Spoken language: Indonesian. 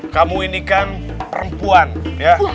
kamu ini kan perempuan ya